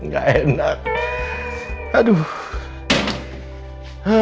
gak enak aduh